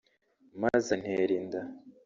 maze antera inda